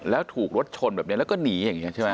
แล้วถูกรถชนแบบนี้แล้วก็หนีอย่างนี้ใช่ไหม